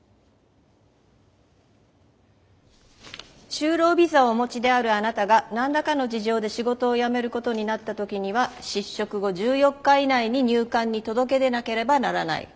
就労ビザをお持ちであるあなたが何らかの事情で仕事を辞めることになった時には失職後１４日以内に入管に届け出なければならない。